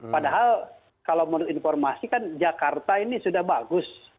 padahal kalau menurut informasi kan jakarta ini sudah bagus